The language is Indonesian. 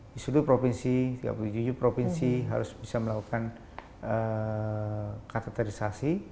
di seluruh provinsi tiga puluh tujuh provinsi harus bisa melakukan katerisasi